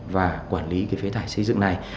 và quản lý cái phế thải xây dựng này